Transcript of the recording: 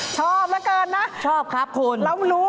ชอบมาก่อนนะแล้วรู้ไหมชอบครับคุณ